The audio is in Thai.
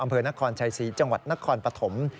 อำเภอนครชัยศรีจังหวัดนครปฐม